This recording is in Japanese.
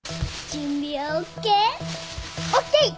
準備はＯＫ？ＯＫ。